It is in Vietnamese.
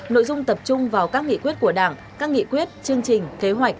nội dung tập trung vào các nghị quyết của đảng các nghị quyết chương trình kế hoạch